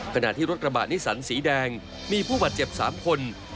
ขณะที่รถกระบะนิสันสีแดงมีผู้บาดเจ็บ๓คน